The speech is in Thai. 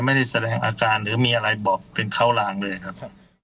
ไม่ได้แสดงอาการหรือมีอะไรบอกเป็นเขาลางเลยครับ